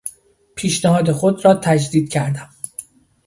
پیشنهاد خود را تجدید کردم.